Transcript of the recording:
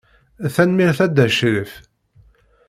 Tanemmirt a Dda Crif.